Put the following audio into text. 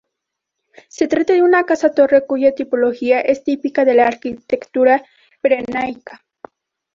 Se trata de una casa-torre cuya tipología es típica de la arquitectura pirenaica.